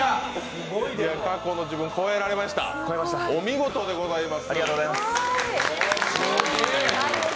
過去の自分、超えられましたお見事でございます。